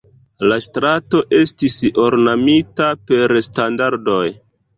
La strato estis ornamita per standardoj.